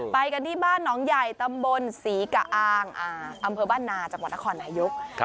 ไปกันที่บ้านหนองใหญ่ตำบลศรีกะอางอำเภอบ้านนาจังหวัดนครนายก